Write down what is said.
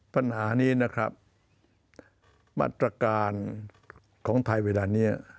ปัญหานี้นะครับมาตรการของไทยเวลานี้